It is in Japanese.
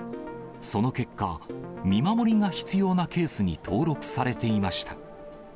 その結果、見守りが必要なケースに登録されていました。